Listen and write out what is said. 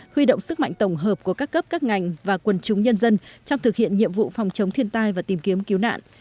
huy động sức mạnh tổng hợp của các cấp các ngành và quần chúng nhân dân trong thực hiện nhiệm vụ phòng chống thiên tai và tìm kiếm cứu nạn